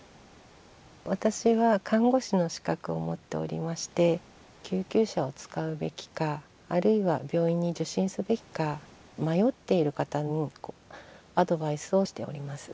私は看護師の資格を持っておりまして救急車を使うべきかあるいは病院に受診すべきか迷っている方のアドバイスをしております。